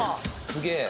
すげえ。